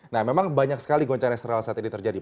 nah memang banyak sekali goncang yang seral saat ini terjadi